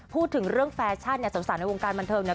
พูดถึงเรื่องแฟชั่นเนี่ยสาวในวงการบันเทิงเนี่ย